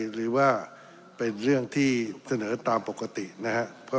หรือว่าเป็นเรื่องที่เสนอตามปกตินะครับ